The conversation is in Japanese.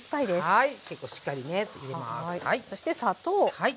はい。